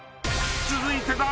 ［続いて］